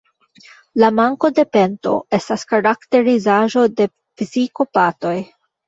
La manko de pento estas karakterizaĵo de psikopatoj.